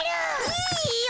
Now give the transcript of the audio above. いいよ。